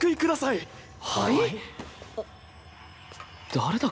誰だ？